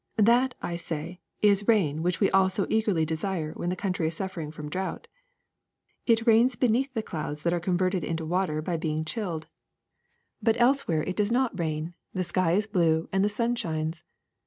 That, I say, is rain which we all so eagerly desire when the country is suffering from drought. It rains beneath the clouds that are converted into water by being chilled ; but elsewhere it does not 340 RAIN 341 rain, the sky is blue, and the sun shines.